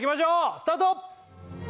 スタート！